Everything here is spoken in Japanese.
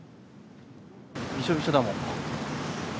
びしょびしょだ、もう。